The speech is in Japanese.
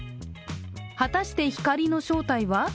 果たして、光の正体は？